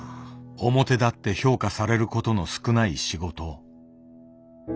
表立って評価されることの少ない仕事。